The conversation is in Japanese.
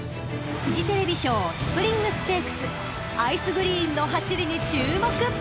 ［フジテレビ賞スプリングステークスアイスグリーンの走りに注目！］